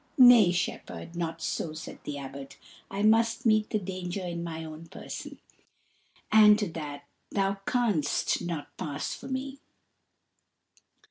"Nay, shepherd, not so," said the Abbot; "I must meet the danger in my own person. And to that, thou canst not pass for me."